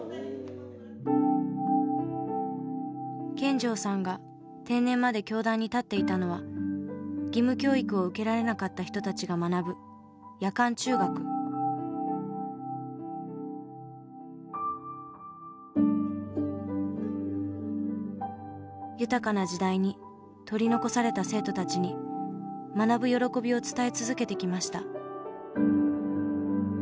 見城さんが定年まで教壇に立っていたのは義務教育を受けられなかった人たちが学ぶ豊かな時代に取り残された生徒たちに学ぶ喜びを伝え続けてきました。